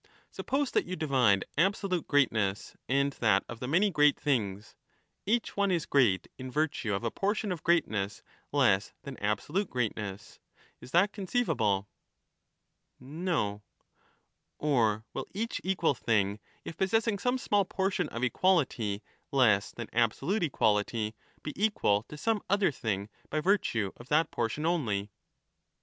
Suppose that you divide absolute greatness, and that of nor can the many great things, each one is great in virtue of a ^j^^ portion of greatness less than absolute greatness— is that only parts conceivable? ?^*f^' for this No. would Or will each equal thing, if possessing some small portion ^^y of equality less than absolute equality, be equal to some other absurdity. thing by virtue of that j)ortion only ? Things «